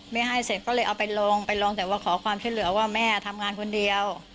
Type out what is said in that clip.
ให้เสร็จก็เลยเอาไปลงไปลงแต่ว่าขอความช่วยเหลือว่าแม่ทำงานคนเดียว